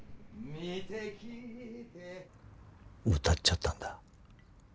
歌っちゃったんだ。